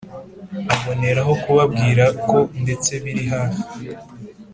aboneraho kubabwirako ndetse biri hafi